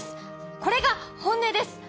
これが本音です！